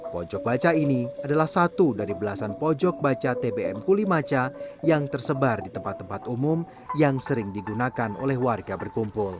pojok baca ini adalah satu dari belasan pojok baca tbm kulimaca yang tersebar di tempat tempat umum yang sering digunakan oleh warga berkumpul